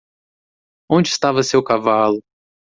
Onde estava seu cavalo?